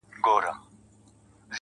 نن مي بيا ټوله شپه.